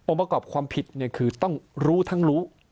องค์ประกอบความผิดเนี่ยคือรู้ทั้งรู้